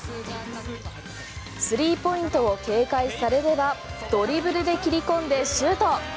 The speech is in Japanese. スリーポイントを警戒されればドリブルで切り込んでシュート。